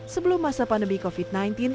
sebelum masa pandemi covid sembilan belas